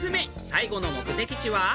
最後の目的地は？